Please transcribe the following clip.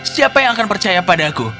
siapa yang akan percaya padaku